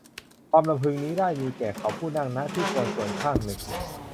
ความรำพึงนี้ได้มีแก่เขาผู้นั่ง ณ ที่ควรส่วนข้างหนึ่ง